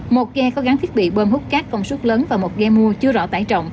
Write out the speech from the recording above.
một ghe có gắn thiết bị bơm hút cát công suất lớn và một ghe mua chưa rõ tải trọng